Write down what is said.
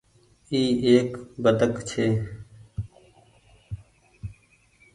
اي ايڪ بدڪ ڇي۔